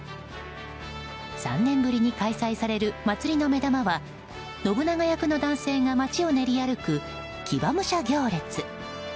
３年ぶりに開催される祭りの目玉は信長役の男性が街を練り歩く騎馬武者行列。